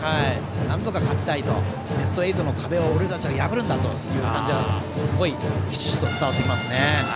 なんとか勝ちたいベスト８の壁を俺たちは破るんだという感じはひしひしと伝わってきますね。